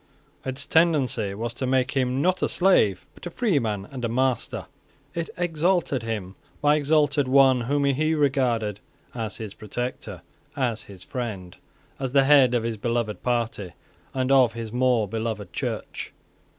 Its tendency was to make him not a slave but a freeman and a master. It exalted him by exalting one whom he regarded as his protector, as his friend, as the head of his beloved party and of his more beloved Church.